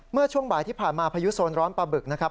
เมื่อช่วงบ่ายที่ผ่านมาพายุโซนร้อนปลาบึกนะครับ